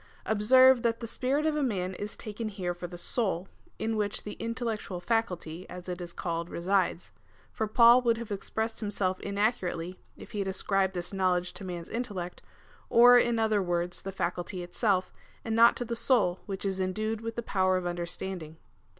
Observe, that the spirit of a man is taken here for the soul, in which the intellectual faculty, as it is called, resides. For Paul would have expressed him self inaccurately if he had ascribed this knowledge to man's intellect, or in other words, the faculty itself, and not to the soul, which is endued with the power of understanding.